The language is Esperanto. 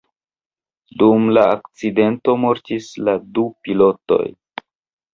Dum la akcidento mortis la du pilotoj.